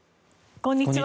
こんにちは。